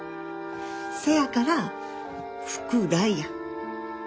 せやから福来や。